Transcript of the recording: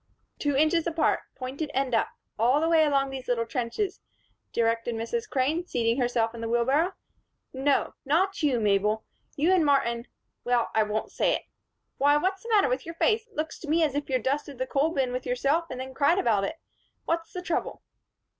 "Two inches apart, pointed end up, all the way along those little trenches," directed Mrs. Crane, seating herself in the wheelbarrow. "No, not you, Mabel. You and Martin Well, I won't say it. Why! What's the matter with your face? Looks to me as if you'd dusted the coal bin with yourself and then cried about it. What's the trouble?"